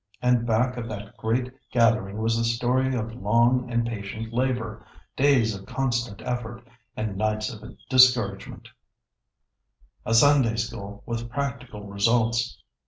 And back of that great gathering was the story of long and patient labor, days of constant effort, and nights of discouragement." [Sidenote: A Sunday School with practical results.